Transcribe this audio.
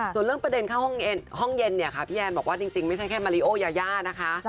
ส่วนเรื่องประเด็นเข้าห้องเย็นเนี่ยค่ะพี่แอนบอกว่าจริงไม่ใช่แค่มาริโอยายานะคะ